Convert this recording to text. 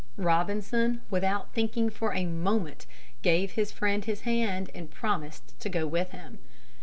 Robinson, without thinking for a moment, gave his friend his hand and promised to go with him.